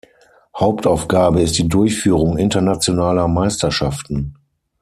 Hauptaufgabe ist die Durchführung internationaler Meisterschaften.